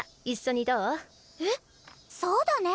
そうだ。